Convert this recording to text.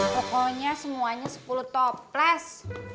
pokoknya semuanya sepuluh toples